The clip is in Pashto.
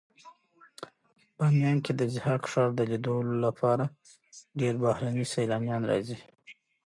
بامیان کې د ضحاک ښار د لیدلو لپاره ډېر بهرني سېلانیان راځي.